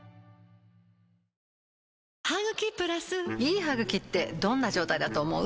いい歯ぐきってどんな状態だと思う？